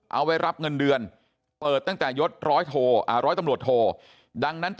เอาไว้รับเงินเดือนเปิดตั้งแต่ยดร้อยโทอ่าร้อยตำรวจโทดังนั้น